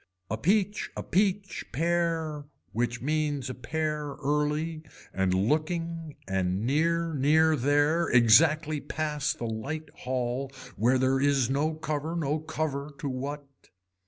A peach a peach pear which means a pear early and looking and near near there, exactly pass the light hall where there is no cover no cover to what.